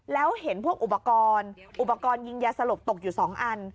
แล้วเห็นพวกอุปกรณ์อุปกรณ์ยิงยาสลบตกอยู่๒อัน